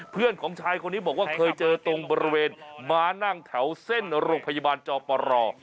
เพื่อนของชายคนนี้บอกว่าเคยเจอตรงบริเวณม้านั่งแถวเส้นโรงพยาบาลจอปร